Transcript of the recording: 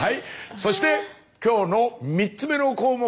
そして今日の３つ目の項目。